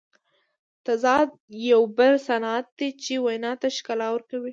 تضاد یو بل صنعت دئ، چي وینا ته ښکلا ورکوي.